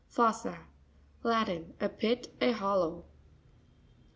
Fo'ssa.—Latin. A pit, a hollow.